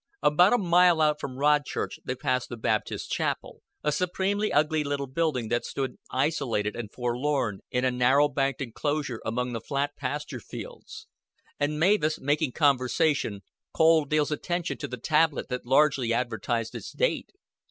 About a mile out from Rodchurch they passed the Baptist chapel a supremely ugly little building that stood isolated and forlorn in a narrow banked enclosure among flat pasture fields and Mavis, making conversation, called Dale's attention to the tablet that largely advertised its date.